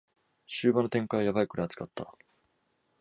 終盤の展開はヤバいくらい熱かった